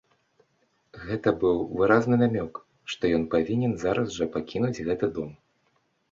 Гэта быў выразны намёк, што ён павінен зараз жа пакінуць гэты дом.